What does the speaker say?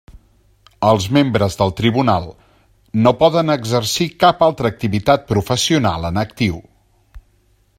Els membres del tribunal no poden exercir cap altra activitat professional en actiu.